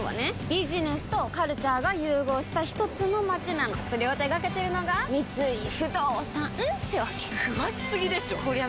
ビジネスとカルチャーが融合したひとつの街なのそれを手掛けてるのが三井不動産ってわけ詳しすぎでしょこりゃ